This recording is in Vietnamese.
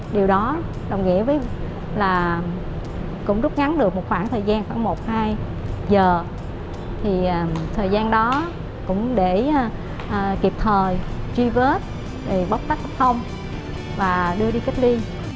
điều đó đồng nghĩa với là cũng rút ngắn được một khoảng thời gian khoảng một hai giờ thì thời gian đó cũng để kịp thời truy vớt bóc tắt tập thông và đưa đi kết liên